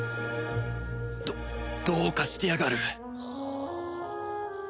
どどうかしてやがる